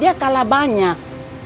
dia kalah banyak